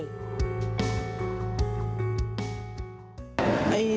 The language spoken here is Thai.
พ่อเคยสอนไว้ว่าอย่าเดินชีวิตตามพ่อ